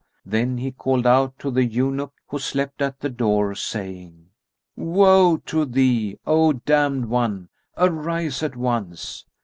Then he called out to the eunuch who slept at the door, saying, "Woe to thee, O damned one, arise at once!"